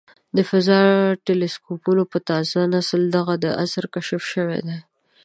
د فضا د ټیلسکوپونو په تازه نسل دغه د عصر کشف شوی دی.